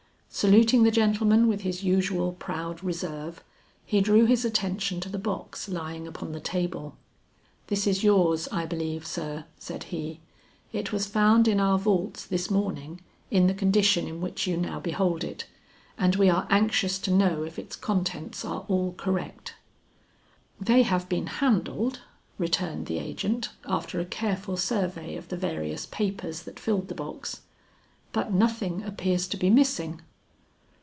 Saluting the gentleman with his usual proud reserve, he drew his attention to the box lying upon the table. "This is yours, I believe, sir," said he. "It was found in our vaults this morning in the condition in which you now behold it, and we are anxious to know if its contents are all correct." "They have been handled," returned the agent, after a careful survey of the various papers that filled the box, "but nothing appears to be missing."